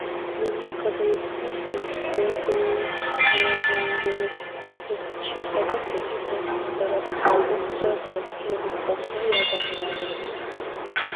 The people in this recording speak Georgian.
მუმია გადაიტანეს ინსბრუკის უნივერსიტეტში, სადაც იგი დასახელდა როგორც პირველყოფილი ადამიანი.